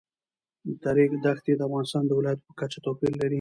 د ریګ دښتې د افغانستان د ولایاتو په کچه توپیر لري.